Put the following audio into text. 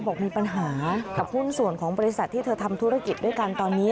บอกมีปัญหากับหุ้นส่วนของบริษัทที่เธอทำธุรกิจด้วยกันตอนนี้